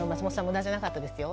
無駄じゃなかったですよ。